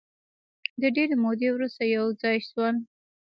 د ډېرې مودې وروسته یو ځای شول.